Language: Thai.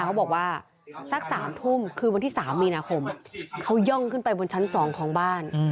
เขาบอกว่าสัก๓ทุ่มคือวันที่๓มีนาคมเขาย่องขึ้นไปบนชั้น๒ของบ้าน